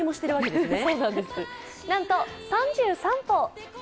なんと３３歩。